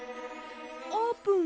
あーぷん